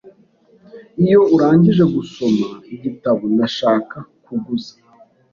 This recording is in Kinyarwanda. Iyo urangije gusoma igitabo, ndashaka kuguza.